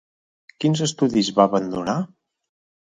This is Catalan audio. Quins estudis va abandonar?